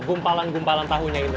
gumpalan gumpalan tahunya itu